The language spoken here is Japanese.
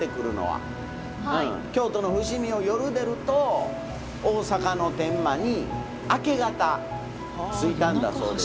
京都の伏見を夜出ると大阪の天満に明け方着いたんだそうです。